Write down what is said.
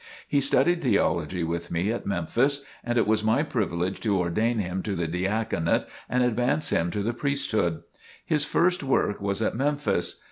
He studied theology with me at Memphis, and it was my privilege to ordain him to the diaconate and advance him to the priesthood. His first work was at Memphis.